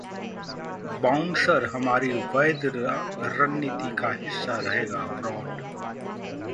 bouncer हमारी वैध रणनीति का हिस्सा रहेगा: ब्राड